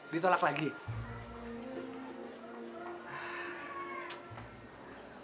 dia sudah datang di mana saja